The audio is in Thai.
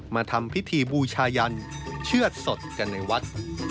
มาทำพิธีบูชายันเชื่อดสดกันในวัด